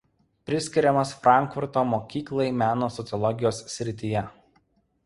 Priskiriamas Frankfurto mokyklai meno sociologijos srityje.